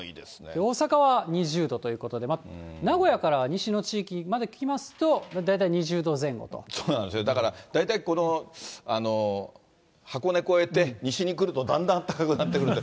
大阪は２０度ということで、名古屋から西の地域まで来ますと、だから大体、箱根越えて西に来るとだんだんあったかくなってくると。